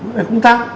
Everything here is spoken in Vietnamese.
thì cũng tăng